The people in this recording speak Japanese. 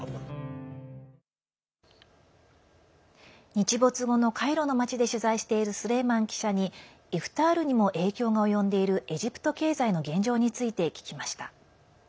日没後のカイロの街で取材しているスレイマン記者にイフタールにも影響が及んでいるエジプト経済の現状について聞きました。